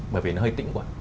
bởi vì nó hơi tĩnh quá